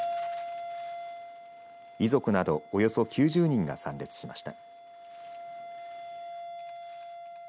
遺族などおよそ９０人が参列しました。